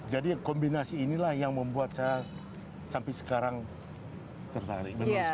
jadi kombinasi inilah yang membuat saya sampai sekarang tertarik